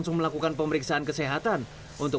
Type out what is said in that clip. mereka berlagak dari jawa tenggel toledol